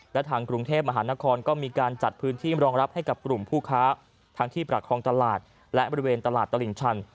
และทางกรุงเทพมหานครก็มีการจัดพื้นที่รองรับให้กับกลุ่มผู้ค้าทั้งที่ประคองตลาดและบริเวณตลาดตลิ่งชัน